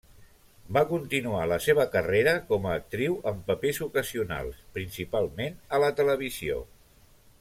Va continuar la seva carrera com a actriu en papers ocasionals, principalment a la televisió.